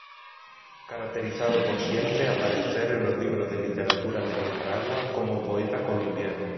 Caracterizado por siempre aparecer en los libros de literatura de nicaragua como poeta colombiano.